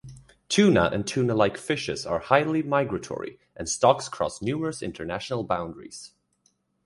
Tuna and tuna-like fishes are highly migratory, and stocks cross numerous international boundaries.